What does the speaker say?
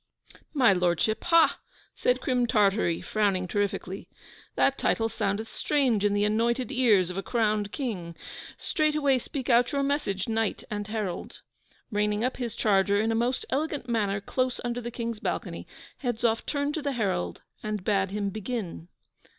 'My Lordship, ha!' said Crim Tartary, frowning terrifically. 'That title soundeth strange in the anointed ears of a crowned King. Straightway speak out your message, Knight and Herald!' Reining up his charger in a most elegant manner close under the King's balcony, Hedzoff turned to the Herald, and bade him begin.